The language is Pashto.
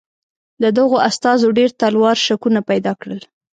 د دغو استازو ډېر تلوار شکونه پیدا کړل.